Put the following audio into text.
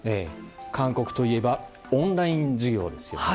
韓国といえばオンライン授業ですよね。